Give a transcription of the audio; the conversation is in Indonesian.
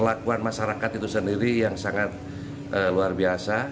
kelakuan masyarakat itu sendiri yang sangat luar biasa